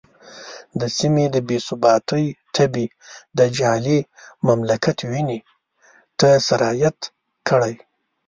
د سیمې د بې ثباتۍ تبې د جعلي مملکت وینې ته سرایت کړی.